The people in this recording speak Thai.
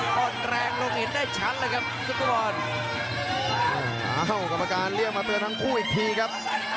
แล้วปัดล่างทิ้งลงไปโน้นพึ่งเลยครับ